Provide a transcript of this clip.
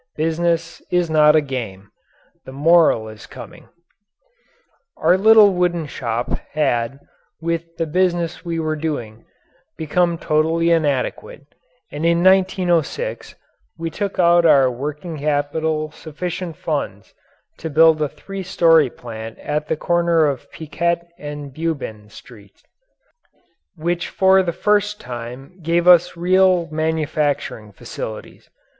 Business is not a game. The moral is coming. Our little wooden shop had, with the business we were doing, become totally inadequate, and in 1906 we took out of our working capital sufficient funds to build a three story plant at the corner of Piquette and Beaubien streets which for the first time gave us real manufacturing facilities.